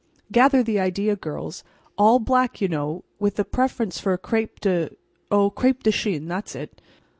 Gather the idea, girls—all black, you know, with the preference for crêpe de—oh, crêpe de Chine—that's it.